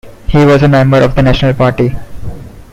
He was a member of the National Party.